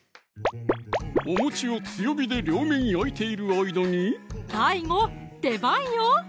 おを強火で両面焼いている間にＤＡＩＧＯ出番よ！